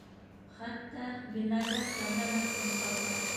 Хатта виноградтан да мәхрүм ҡалмай.